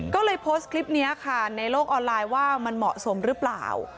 ก็เลยโพสต์คลิปนี้ค่ะในโลกออนไลน์ว่ามันเหมาะสมหรือเปล่า